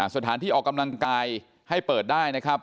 สถานที่ออกกำลังกายให้เปิดได้นะครับ